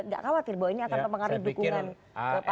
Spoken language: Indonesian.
gak khawatir bahwa ini akan mempengaruhi dukungan pak prabowo